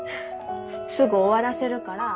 すぐ終わらせるから。